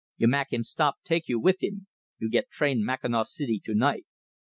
You mak' him stop take you with him. You get train Mackinaw City tonight.